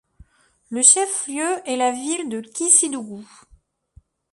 Le chef-lieu est la ville de Kissidougou.